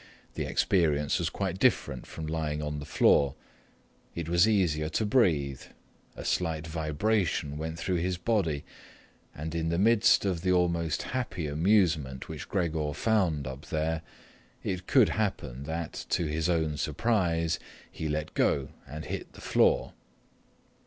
The experience was quite different from lying on the floor. It was easier to breathe, a slight vibration went through his body, and in the midst of the almost happy amusement which Gregor found up there, it could happen that, to his own surprise, he let go and hit the floor.